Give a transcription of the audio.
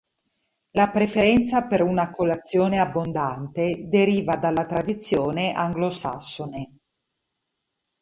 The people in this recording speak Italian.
La preferenza per una colazione abbondante deriva dalla tradizione anglosassone.